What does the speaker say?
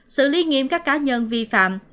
sự lý nghiêm các cá nhân vi phạm